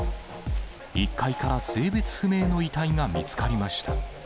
１階から性別不明の遺体が見つかりました。